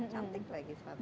cantik lagi sepatu